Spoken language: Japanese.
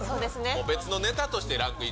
別のネタとしてランクイン。